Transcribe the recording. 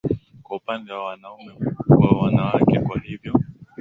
kwa upande wa wanaume kwa wanawake Kwa hivyo